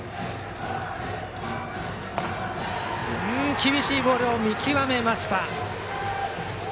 厳しいボールを見極めました。